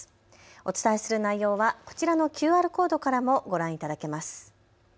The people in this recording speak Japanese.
お伝えする内容はこちらのＱＲコードからもご覧いただけます。